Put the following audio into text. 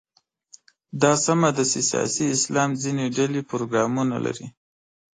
دا سمه ده چې سیاسي اسلام ځینې ډلې پروګرامونه لري.